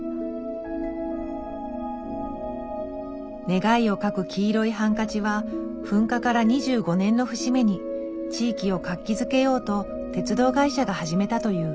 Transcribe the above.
願いを書く黄色いハンカチは噴火から２５年の節目に地域を活気づけようと鉄道会社が始めたという。